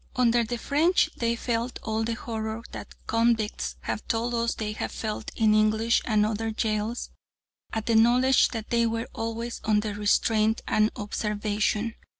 Under the French they felt all the horror that convicts have told us they have felt in English and other jails at the knowledge that they were always under restraint and observation.